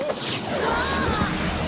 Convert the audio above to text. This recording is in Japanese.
うわ！